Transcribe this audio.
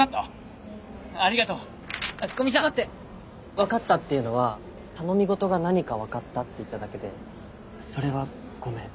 分かったっていうのは頼みごとが何か分かったって言っただけでそれはごめん。